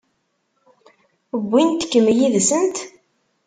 Wwint-kem yid-sent?